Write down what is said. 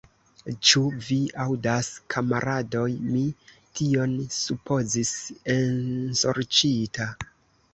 Ĉu vi aŭdas, kamaradoj, mi tion supozis, ensorĉita!